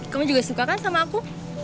kamu juga suka kan sama aku